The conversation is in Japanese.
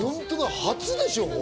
初でしょ？